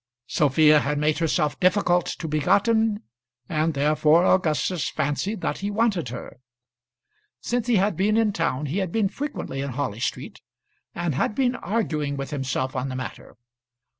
Sophia had made herself difficult to be gotten, and therefore Augustus fancied that he wanted her. Since he had been in town he had been frequently in Harley Street, and had been arguing with himself on the matter.